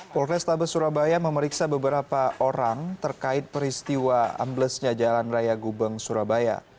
polrestabes surabaya memeriksa beberapa orang terkait peristiwa amblesnya jalan raya gubeng surabaya